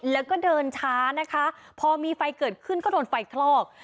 แล้วก็เดินช้านะคะพอมีไฟเกิดขึ้นก็โดนไฟคลอก